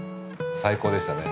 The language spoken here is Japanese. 最高でしたね。